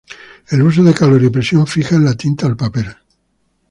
El uso de calor y presión fijan la tinta al papel.